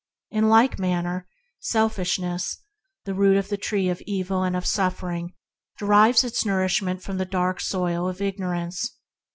In like manner, selfishness, the root of the tree of evil and of suffering, derives its nourishment from the dark soil of ignorance.